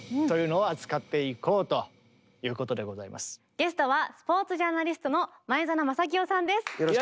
ゲストはスポーツジャーナリストの前園真聖さんです。